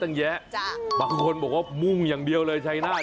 ตั้งเยอะตั้งแยะ